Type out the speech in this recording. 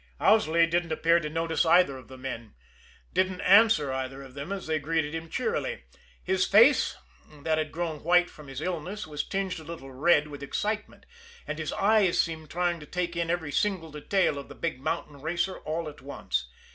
Owsley didn't appear to notice either of the men didn't answer either of them as they greeted him cheerily. His face, that had grown white from his illness, was tinged a little red with excitement, and his eyes seemed trying to take in every single detail of the big mountain racer all at once.